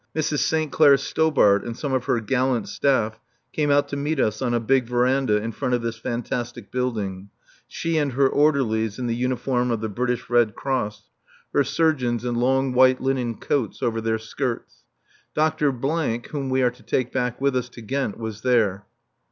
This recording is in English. Mrs. St. Clair Stobart and some of her gallant staff came out to meet us on a big verandah in front of this fantastic building, she and her orderlies in the uniform of the British Red Cross, her surgeons in long white linen coats over their skirts. Dr. whom we are to take back with us to Ghent, was there.